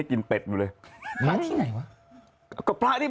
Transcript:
เจอผมที่นั่นบ่อย